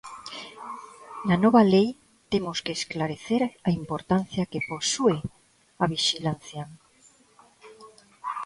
Na nova lei temos que esclarecer a importancia que posúe a vixilancia.